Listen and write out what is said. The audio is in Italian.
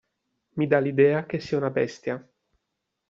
Mi dà l'idea che sia una bestia.